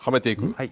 はい。